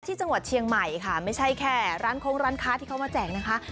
ที่จังหวัดเชียงใหม่ค่ะไม่ใช่แค่ร้านโค้งร้านค้าที่เขามาแจกนะคะ